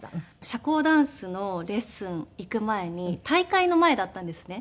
社交ダンスのレッスン行く前に大会の前だったんですね。